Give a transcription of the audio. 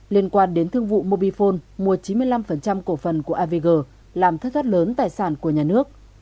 liên quan đến thương vụ mobifone mua chín mươi năm cổ phần của avg làm thất thoát lớn tài sản của nhà nước